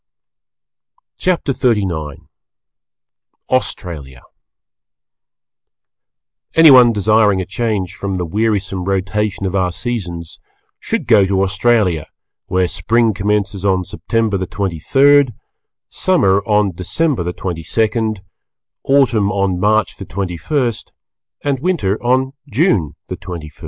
CHAPTER XXXIX AUSTRALIA Anyone desiring a change from the wearisome rotation of our seasons, should go to Australia, where Spring commences on September the twenty third, Summer on December the twenty second, Autumn on March the twenty first and Winter on June the twenty first.